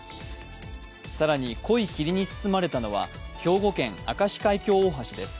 更に濃い霧に包まれたのは兵庫県・明石海峡大橋です。